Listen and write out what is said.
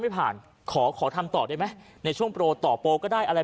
ไม่ผ่านขอขอทำต่อได้ไหมในช่วงโปรต่อโปรก็ได้อะไร